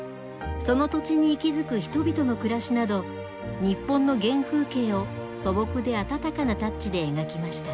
その土地に息づく人々の暮らしなど日本の原風景を素朴で温かなタッチで描きました。